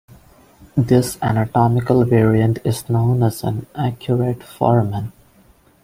This anatomical variant is known as an arcuate foramen.